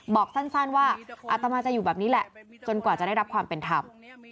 บอกสั้นว่าอัตมาจะอยู่แบบนี้แหละจนกว่าจะได้รับความเป็นธรรม